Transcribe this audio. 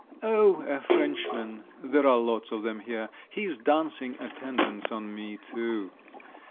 "Oh, a Frenchman, there are lots of them here … He's dancing attendance on me too.